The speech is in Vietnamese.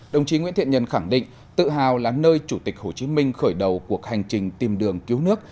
đồng chí nguyễn thiện nhân khẳng định tự hào là nơi chủ tịch hồ chí minh khởi đầu cuộc hành trình tìm đường cứu nước